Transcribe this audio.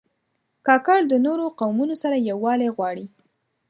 کاکړ د نورو قومونو سره یووالی غواړي.